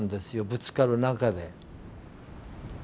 ぶつかる中で。